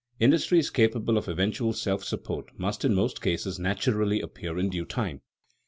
Industries capable of eventual self support must in most cases naturally appear in due time.